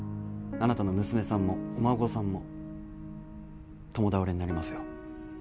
あなたの娘さんもお孫さんも共倒れになりますよ